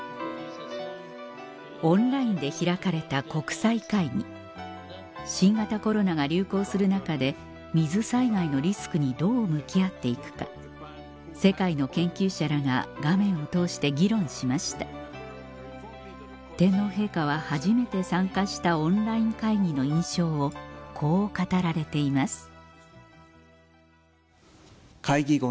オンラインで開かれた国際会議新型コロナが流行する中で水災害のリスクにどう向き合って行くか世界の研究者らが画面を通して議論しました天皇陛下は初めて参加したオンライン会議の印象をこう語られています